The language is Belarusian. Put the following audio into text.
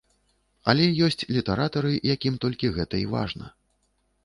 Але ёсць літаратары, якім толькі гэта і важна.